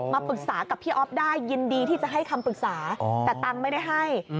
มาปรึกษากับพี่อ๊อฟได้ยินดีที่จะให้คำปรึกษาแต่ตังค์ไม่ได้ให้